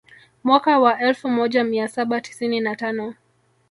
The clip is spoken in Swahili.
Mwaka wa elfu moja mia saba tisini na tano